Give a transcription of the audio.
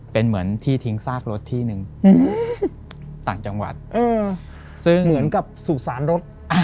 เป็นเหมือนที่ทิ้งซากรถที่หนึ่งต่างจังหวัดซึ่งเหมือนกับสุสานรถ